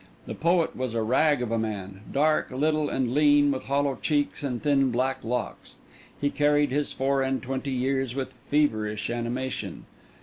The poet was a rag of a man, dark, little, and lean, with hollow cheeks and thin black locks. He carried his four and twenty years with feverish animation.